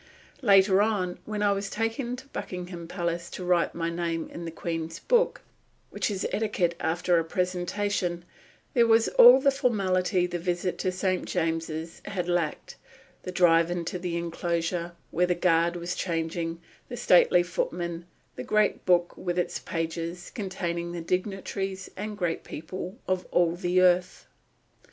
Later on, when I was taken to Buckingham Palace to write my name in the Queen's book, which is etiquette after a presentation, there was all the formality the visit to St. James's had lacked the drive into the inclosure, where the guard was changing, the stately footmen, the great book with its pages containing the dignitaries and great people of all the earth.